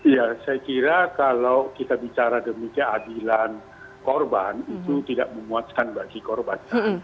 ya saya kira kalau kita bicara demikian adilan korban itu tidak memuaskan bagi korban